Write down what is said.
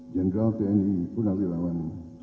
jendral tn puna wirawan